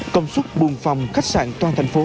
công suất buôn phòng khách sạn toàn thành phố